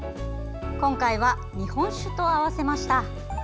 今回は日本酒と合わせました。